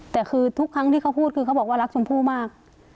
แต่คือทุกครั้งที่เขาพูดคือเขาบอกว่ารักชมพู่มาก